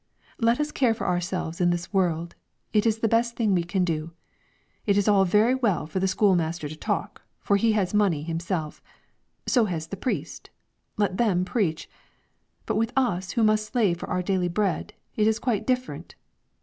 Let us care for ourselves in this world, it is the best thing we can do. It is all very well for the school master to talk, for he has money himself; so has the priest; let them preach. But with us who must slave for our daily bread, it is quite different.